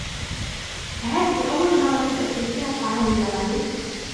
أهذه أول مرة تأكل فيها الطعام الياباني ؟